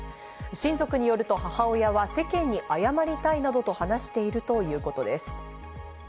親族によると母親は世間に謝りたいなどと話しているということです。